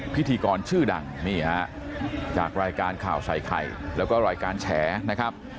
พิธีกรชื่อดังนี่ฮะจากรายการข่าวใส่ไข่แล้วก็รายการแฉนะครับ